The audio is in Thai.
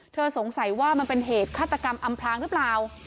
สงสัยว่ามันเป็นเหตุฆาตกรรมอำพลางหรือเปล่า